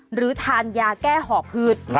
หรือทานยาแก้หอบหืด